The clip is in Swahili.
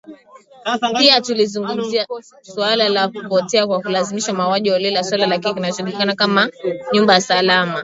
Pia tulizungumzia suala la kupotea kwa kulazimishwa, mauaji holela, suala la kile kinachojulikana kama nyumba salama.